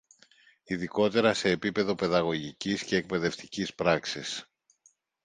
Ειδικότερα, σε επίπεδο παιδαγωγικής και εκπαιδευτικής πράξης